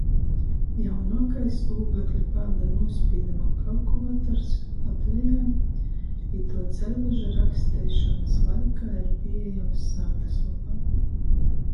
Jaunuokais ūglekļa pāda nūspīduma kalkulators Latvejā ituo ceļveža raksteišonys laikā ir pīejams sātyslopā.